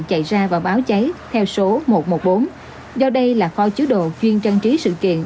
chạy ra và báo cháy theo số một trăm một mươi bốn do đây là kho chứa đồ chuyên trang trí sự kiện